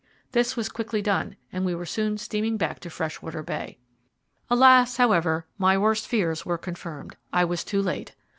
This was quickly done, and we were soon steaming back to Freshwater Bay. Alas! however, my worst fears were confirmed. I was too late.